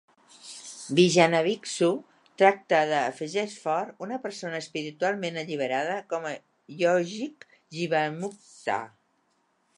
Vijnanabhiksu tracta de, afegeix Fort, una persona espiritualment alliberada com a "yogic jivanmukta".